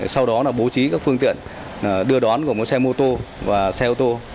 sau đó là bố trí các phương tiện đưa đón của một xe mô tô và xe ô tô